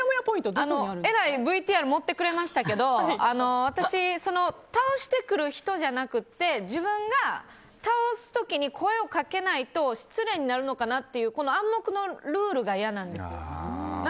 えらいＶＴＲ盛ってくれましたけど私、倒してくる人じゃなくて自分が倒す時に声をかけないと失礼になるのかなという暗黙のルールが嫌なんですよ。